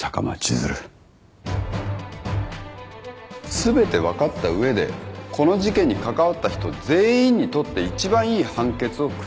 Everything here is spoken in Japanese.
全て分かった上でこの事件に関わった人全員にとって一番いい判決を下したい。